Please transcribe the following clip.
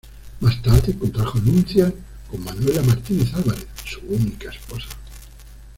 Más tarde contrajo nupcias con Manuela Martínez Álvarez, su única esposa.